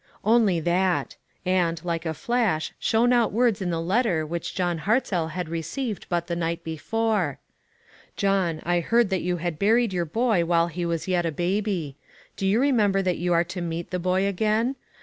Only that. And, like a flash, shone out words in the letter which John Hartzell had received but the night before: "John, I heard that you had buried your boy while he was yet a baby. Do you remem ber that you are to meet the boy again